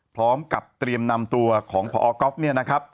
พร้อมกับเตรียมนำตัวของพอก๊อฟเนี่ยนะครับ